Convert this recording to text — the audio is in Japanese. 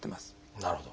なるほど。